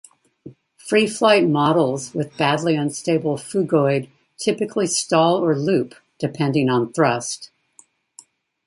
Free flight models with badly unstable phugoid typically stall or loop, depending on thrust.